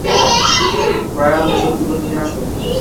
Brian, রসদগুলো নিয়ে আসো!